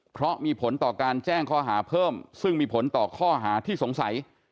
เพราะมีผลต่อการแจ้งข้อหาเพิ่มซึ่งมีผลต่อข้อหาที่สงสัย